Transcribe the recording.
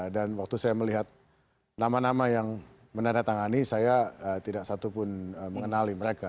dan waktu saya melihat nama nama yang menandatangani saya tidak satupun mengenali mereka